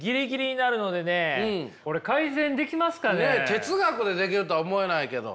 哲学でできるとは思えないけど。